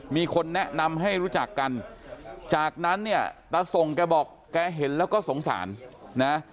มีคนแนะนำให้รู้จักกันจากนั้นเนี่ยตาส่งแกบอกแกเห็นแล้วก็สงสารนะ